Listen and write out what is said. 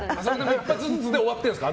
１発ずつで終わったんですか？